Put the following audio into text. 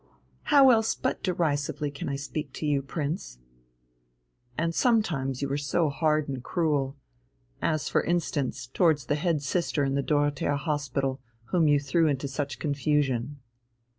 "How else but derisively can I speak to you, Prince?" "And sometimes you are so hard and cruel, as for instance towards the head sister in the Dorothea Hospital, whom you threw into such confusion."